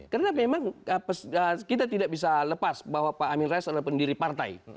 karena memang kita tidak bisa lepas bahwa pak amin rais adalah pendiri partai